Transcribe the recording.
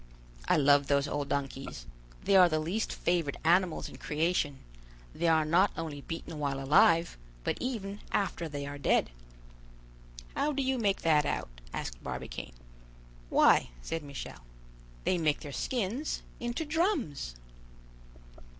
I love those old donkeys; they are the least favored animals in creation; they are not only beaten while alive, but even after they are dead." "How do you make that out?" asked Barbicane. "Why," said Michel, "they make their skins into drums."